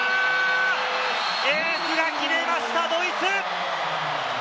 エースが決めました、ドイツ！